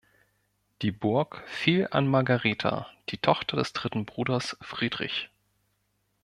Die Burg fiel an Margareta, die Tochter des dritten Bruders Friedrich.